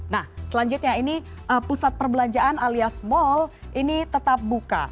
nah selanjutnya ini pusat perbelanjaan alias mal ini tetap buka